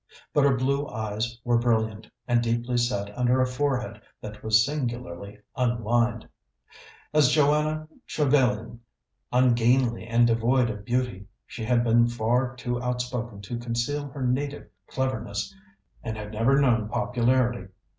But her blue eyes were brilliant, and deeply set under a forehead that was singularly unlined. As Joanna Trevellyan, ungainly and devoid of beauty, she had been far too outspoken to conceal her native cleverness, and had never known popularity.